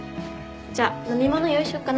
じゃあ飲み物用意しよっかなぁ。